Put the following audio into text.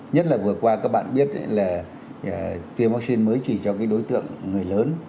nhất là vừa qua các bạn biết là tiêm vaccine mới chỉ cho cái đối tượng người lớn